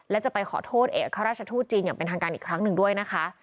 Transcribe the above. และจะไปขอโทษเอกราชทูตจีนอย่างเป็นทางการอีกครั้งหนึ่งด้วยนะคะ